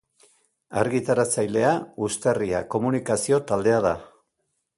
Argitaratzailea, Uztarria Komunikazio Taldea da.